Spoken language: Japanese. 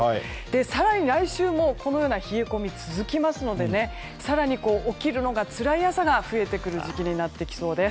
更に来週も冷え込みが続きますので更に起きるのがつらい朝が増えてくる時期になってきそうです。